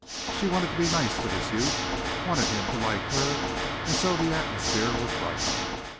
She wanted to be nice to this youth wanted him to like her and so the atmosphere was right.